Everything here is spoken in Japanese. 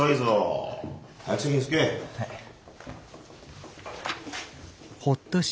はい。